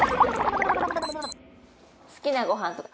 好きなごはんとか。